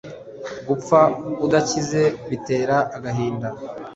Gupfa udakize bitera agahinda